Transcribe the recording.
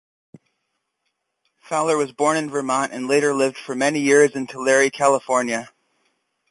Fowler was born in Vermont and later lived for many years in Tulare, California.